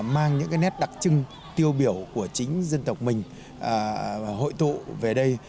mang những cái nét đặc trưng tiêu biểu của chính dân tộc mình hội tụ về đây